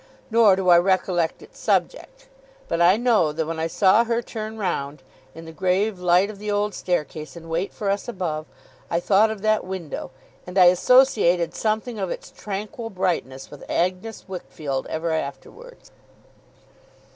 Nor do I recollect its subject. But I know that when I saw her turn round, in the grave light of the old staircase, and wait for us, above, I thought of that window; and I associated something of its tranquil brightness with Agnes Wickfield ever afterwards.